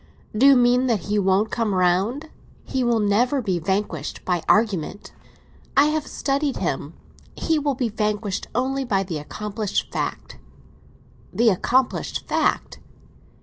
"Do you mean that he won't come round?" "He will never be vanquished by argument. I have studied him. He will be vanquished only by the accomplished fact." "The accomplished fact?"